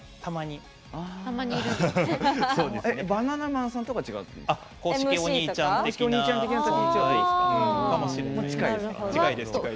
バナナマンさんとかは違うんですか？